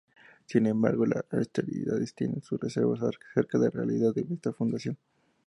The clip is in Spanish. Sin embargo, los historiadores tienen sus reservas acerca de la realidad de esta fundación.